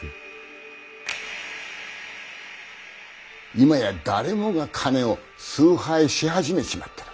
今や誰もが金を崇拝し始めちまっている。